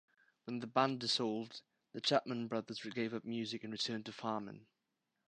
When the band dissolved, the Chatmon brothers gave up music and returned to farming.